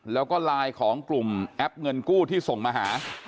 แล้วก็ไลน์ของกลุ่มแอปเงินกู้ที่ส่งมาหา